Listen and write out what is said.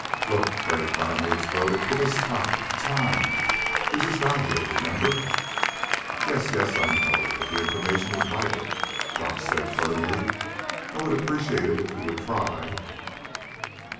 "Look," Crag finally exploded, "give us time ... time. We just got here. Remember?" "Yes ... yes, I know. But the information is vital," Gotch said firmly. "I would appreciate it if you would try...."